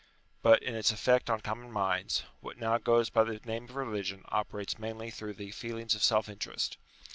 But in its effect on common minds, what now goes by the name of religion operates mainly through the feelings of self interest.